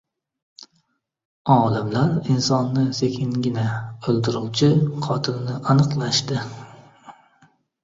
Olimlar insonni sekingina o‘ldiruvchi "qotil"ni aniqlashdi